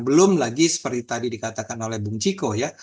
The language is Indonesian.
belum lagi seperti tadi dikatakan oleh bung ciko ya